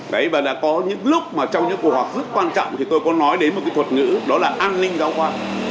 đấy và đã có những lúc mà trong những cuộc họp rất quan trọng thì tôi có nói đến một cái thuật ngữ đó là an ninh giáo khoa